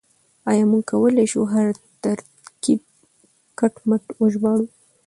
آيا موږ کولای شو هر ترکيب کټ مټ وژباړو؟